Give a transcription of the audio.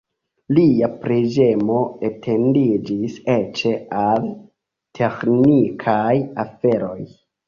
Lia preĝemo etendiĝis eĉ al teĥnikaj aferoj.